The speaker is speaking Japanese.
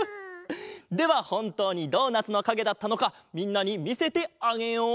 ではほんとうにドーナツのかげだったのかみんなにみせてあげよう。